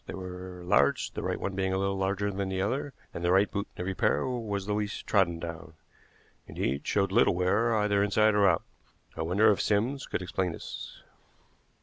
They were large, the right one being a little larger than the other, and the right boot in every pair was the least trodden down indeed, showed little wear either inside or out. I wonder if Sims could explain this?"